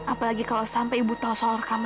apalagi kalau sampai ibu tahu soal rekam